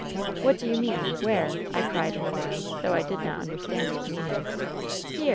" ^What do you mean ? Where V 1 cried, in alarm, though I did not understand his meaning. " ^Here